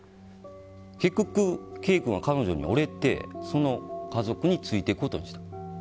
結局、Ｋ君は彼女に折れてその家族についていくことにした。